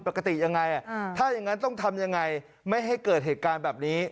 ปกติยังไงถ้าอย่างนั้นต้องทำยังไงไม่ให้เกิดเหตุการณ์แบบนี้